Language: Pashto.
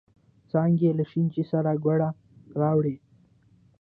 څانگې له شین چای سره گوړه راوړې.